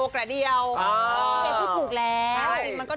กระเดี้ยวคะขอโทษกับตื่นเต้น